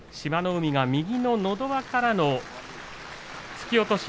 海が右ののど輪からの突き落とし。